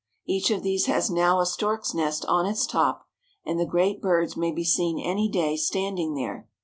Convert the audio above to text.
Each of these has now a stork's nest on its top, and the great birds may be seen any day standing there.